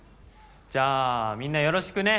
じゃあみんなよろしくね。